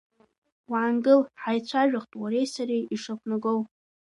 Уаангыл, ҳаицәажәахп уареи сареи ишақәнагоу…